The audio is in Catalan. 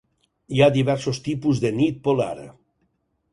Hi ha diversos tipus de nit polar.